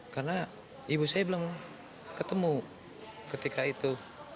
karena ibu saya belum ketemu ketika itu